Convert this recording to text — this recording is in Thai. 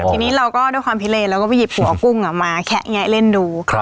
ทีนี้เราก็ด้วยความพิเลเราก็ไปหยิบหัวกุ้งมาแคะแงะเล่นดู